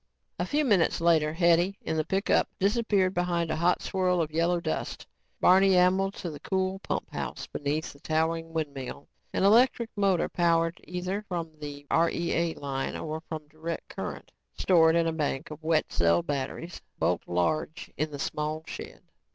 A few minutes later, Hetty in the pickup disappeared behind a hot swirl of yellow dust. Barney ambled to the cool pump house beneath the towering windmill. An electric motor, powered either from the REA line or from direct current stored in a bank of wet cell batteries, bulked large in the small shed.